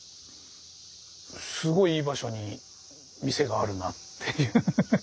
すごいいい場所に店があるなっていう。